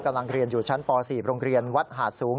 เรียนอยู่ชั้นป๔โรงเรียนวัดหาดสูง